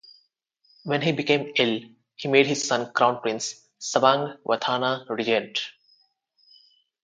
When he became ill, he made his son Crown Prince Savang Vatthana regent.